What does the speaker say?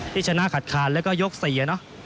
ที่ชนะขาดแล้วก็ยก๔เนอะ